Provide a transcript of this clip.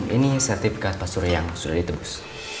ini sertifikat pasur yang sudah ditebus